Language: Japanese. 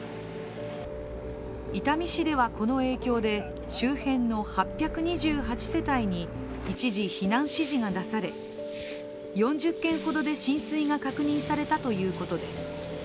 伊丹市ではこの影響で、周辺の８２８世帯に一時避難指示が出され、４０軒ほどで浸水が確認されたということです。